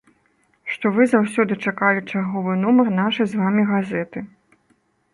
Што вы заўсёды чакалі чарговы нумар нашай з вамі газеты.